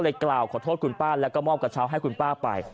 กล่าวขอโทษคุณป้าแล้วก็มอบกระเช้าให้คุณป้าไป